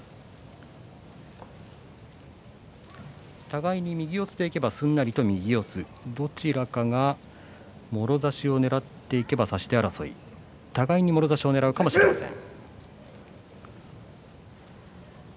互いに右四つでいけばすんなりと右四つどちらかが、もろ差しをねらっていけば差し手争い互いにもろ差しをねらうかもしれません。